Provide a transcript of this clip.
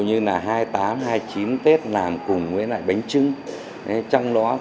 nhưng mà ngày xưa thì nó không có đồng hồ người ta các cụ thì cấm cái nén hương đấy